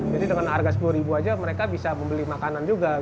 jadi dengan harga rp sepuluh saja mereka bisa membeli makanan juga